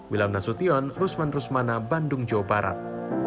wilam nasution rusman rusmana bandung jawa barat